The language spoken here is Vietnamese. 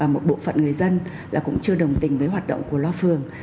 một bộ phận người dân cũng chưa đồng tình với hoạt động của loa phường